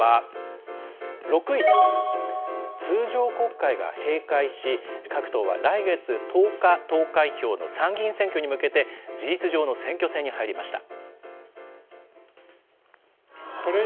続いては６位、通常国会が閉会し、各党は来月１０日投開票の参議院選挙に向けて、事実上の選挙戦に入りました。